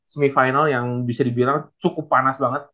semi final yang bisa dibilang cukup panas banget